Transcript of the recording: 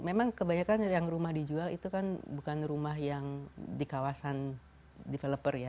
memang kebanyakan yang rumah dijual itu kan bukan rumah yang di kawasan developer ya